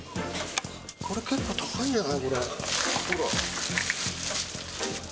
これ、結構高いんじゃない？